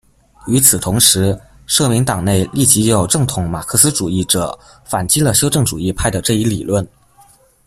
与此同时，社民党内立即有正统马克思主义者反击了修正主义派的这一理论。